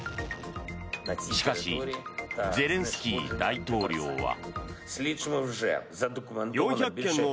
しかしゼレンスキー大統領は。